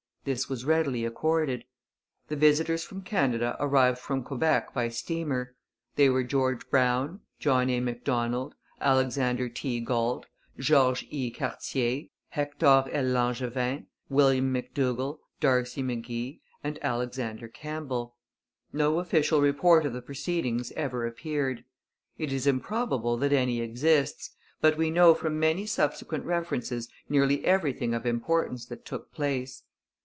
This was readily accorded. The visitors from Canada arrived from Quebec by steamer. They were George Brown, John A. Macdonald, Alexander T. Galt, George E. Cartier, Hector L. Langevin, William McDougall, D'Arcy McGee, and Alexander Campbell. No official report of the proceedings ever appeared. It is improbable that any exists, but we know from many subsequent references nearly everything of importance that took place.